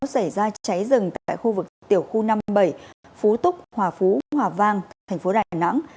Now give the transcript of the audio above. xảy ra cháy rừng tại khu vực tiểu khu năm mươi bảy phú túc hòa phú hòa vang thành phố đà nẵng